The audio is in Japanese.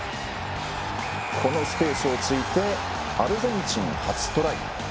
このスペースをついてアルゼンチン初トライ。